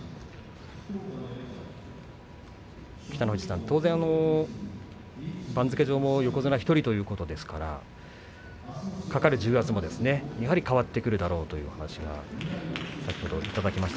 北の富士さん、当然番付上も横綱１人ということですからかかる重圧もやはり変わってくるだろうという話を先ほどいただきました。